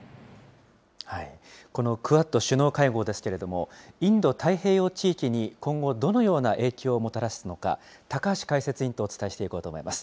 このクアッド首脳会合ですけれども、インド太平洋地域に今後、どのような影響をもたらすのか、高橋解説委員とお伝えしていきます。